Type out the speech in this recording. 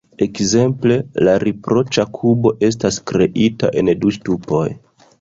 Ekzemple, la "riproĉa kubo" estas kreita en du ŝtupoj.